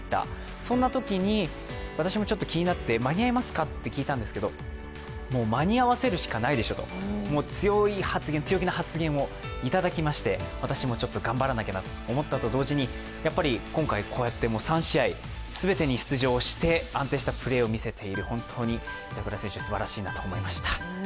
そんなときに、私も気になって間に合いますかと聞いたんですが、もう間に合わせるしかないでしょと、強気な発言をいただきまして私も頑張らなきゃなと思ったと同時に、やっぱり今回、こうやって３試合全てに出場して安定したプレーを見せている本当に板倉選手すばらしいなと思いました。